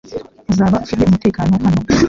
Uzaba ufite umutekano hano .